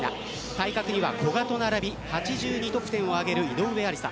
対角の古賀と並び８２得点を挙げる井上愛里沙。